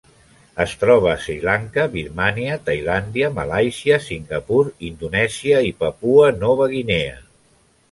Es troba a Sri Lanka, Birmània, Tailàndia, Malàisia, Singapur, Indonèsia i Papua Nova Guinea.